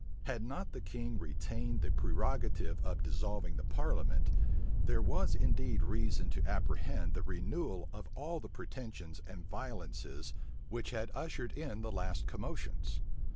Had not the king still retained the prerogative of dissolving the parliament, there was indeed reason to apprehend the renewal of all the pretensions and violences which had ushered in the last commotions.